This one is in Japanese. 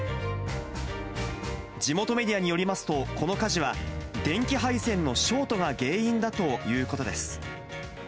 地元メディアによりますと、この火事は電気配線のショートが原因だということです。